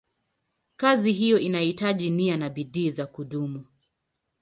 Kazi hiyo inahitaji nia na bidii za kudumu.